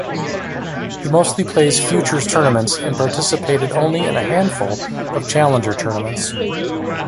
He mostly plays Futures tournaments and participated only in a handful of Challenger tournaments.